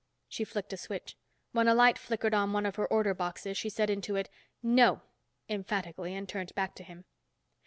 She flicked a switch. When a light flickered on one of her order boxes, she said into it, "No," emphatically, and turned back to him.